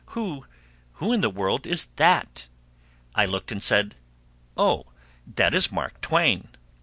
"Who who in the world is that?" I looked and said, "Oh, that is Mark Twain."